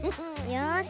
よし！